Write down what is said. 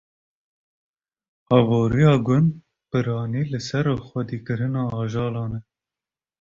Aborîya gund piranî li ser xwedîkirina ajalan e.